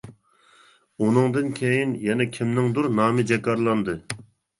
ئۇنىڭدىن كېيىن يەنە كىمنىڭدۇر نامى جاكارلاندى.